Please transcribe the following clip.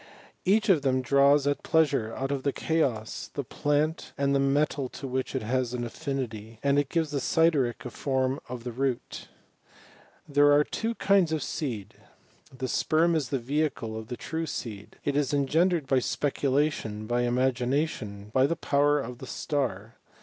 Each of them draws at pleasure out of the chaoSy the plant and the metal to which it has an affinity, and gives a sideric form to their root* There are two kinds of seed ; the sperm is the vehicle of the true seed. It is engendered by speculation, by imagination, by the power of the star.